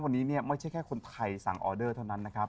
เนี่ยไม่ใช่แค่คนไทยสั่งออเดอร์เท่านั้นนะครับ